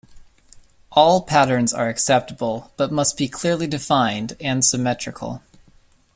All patterns are acceptable, but must be clearly defined and symmetrical.